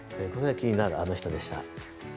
気になるアノ人でした。